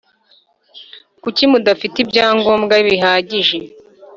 Kuki mudafite ibyangombwa bihagije